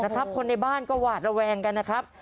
คนในบ้านก็หวาดระแวงกันนะครับ